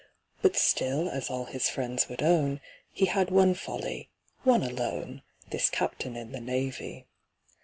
But still, as all his friends would own, He had one folly—one alone— This Captain in the Navy.